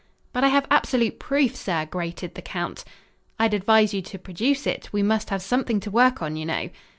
"But I have absolute proof, sir," grated the count. "I'd advise you to produce it. We must have something to work on, you know."